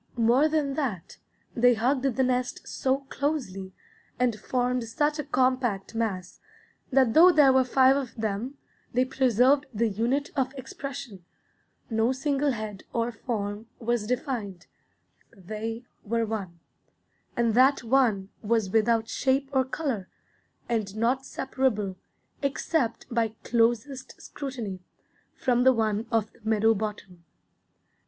More than that, they hugged the nest so closely and formed such a compact mass, that though there were five of them, they preserved the unit of expression, no single head or form was defined; they were one, and that one was without shape or color, and not separable, except by closest scrutiny, from the one of the meadow bottom.